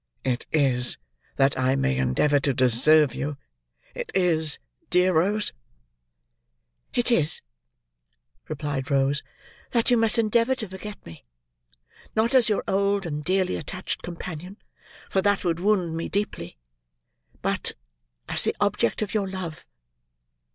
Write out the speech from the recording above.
"It is, that I may endeavour to deserve you; it is, dear Rose?" "It is," replied Rose, "that you must endeavour to forget me; not as your old and dearly attached companion, for that would wound me deeply; but, as the object of your love.